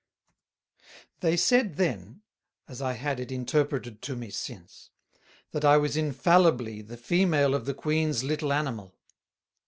They said then, (as I had it interpreted to me since) That I was infallibly the Female of the Queens little Animal.